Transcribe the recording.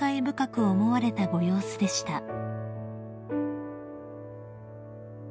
深く思われたご様子でした］